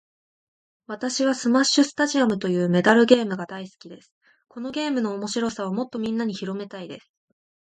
私はスマッシュスタジアムというメダルゲームが大好きです。このゲームの面白さをもっとみんなに広めたいです。